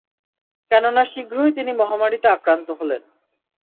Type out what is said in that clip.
কেননা শীঘ্রই তিনি মহামারিতে আক্রান্ত হলেন।